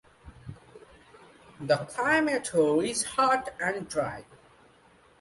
The climate here is hot and dry.